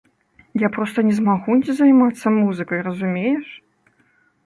Я проста не змагу не займацца музыкай, разумееш?